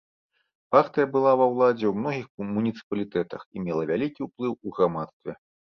Партыя была ва ўладзе ў многіх муніцыпалітэтах і мела вялікі ўплыў у грамадстве.